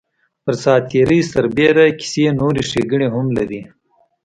پر ساعت تېرۍ سربېره کیسې نورې ښیګڼې هم لري.